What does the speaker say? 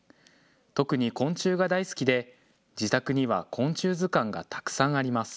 特に昆虫が大好きで、自宅には昆虫図鑑がたくさんあります。